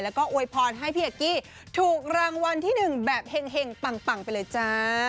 แล้วก็อวยพรให้พี่เอกกี้ถูกรางวัลที่๑แบบเห็งปังไปเลยจ้า